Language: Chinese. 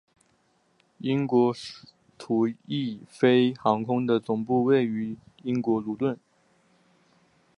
英国途易飞航空的总部位于英国卢顿。